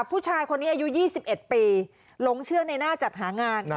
ผู้ชายคนนี้อายุ๒๑ปีหลงเชื่อในหน้าจัดหางาน